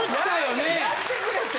なんかやってくれって。